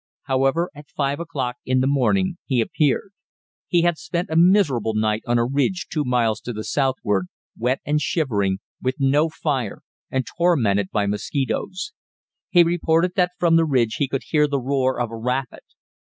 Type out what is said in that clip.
However, at five o'clock in the morning he appeared. He had spent a miserable night on a ridge two miles to the southward, wet and shivering, with no fire, and tormented by mosquitoes. He reported that from the ridge he could hear the roar of a rapid.